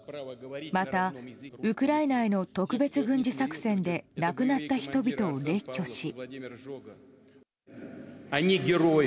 また、ウクライナへの特別軍事作戦で亡くなった人々を列挙し。